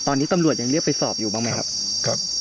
ตอนนี้ตำรวจยังเรียกไปสอบอยู่บ้างไหมครับ